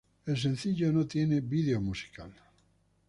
El sencillo no tiene video musical.